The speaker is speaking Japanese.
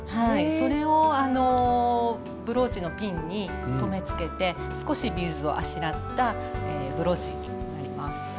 それをあのブローチのピンに留めつけて少しビーズをあしらったブローチになります。